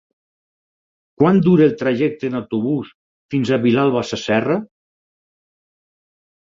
Quant dura el trajecte en autobús fins a Vilalba Sasserra?